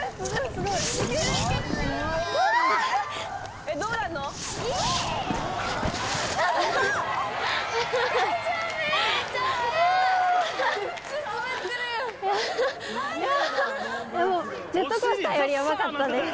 すごかったです。